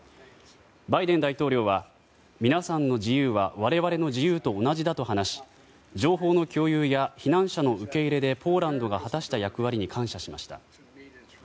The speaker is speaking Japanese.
バイデン大統領は皆さんの自由は我々の自由と同じだと話し情報の共有や避難者の受け入れでポーランドが果たした役割に感謝しました。